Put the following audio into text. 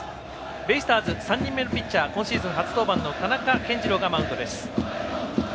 ベイスターズの３人目のピッチャー、今シーズン初登板の田中健二朗がマウンドです。